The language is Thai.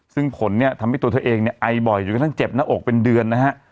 ซึ่งผลเนี่ยทำให้ตัวเธอเองเนี่ยไอบ่อยจนกระทั่งเจ็บหน้าอกเป็นเดือนนะฮะ